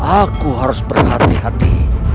aku harus berhati hati